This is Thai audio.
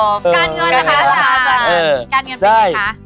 การเงินเป็นยังไงคะ